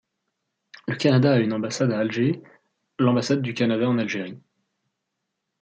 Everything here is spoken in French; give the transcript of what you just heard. Le Canada a une ambassade à Alger, l’Ambassade du Canada en Algérie.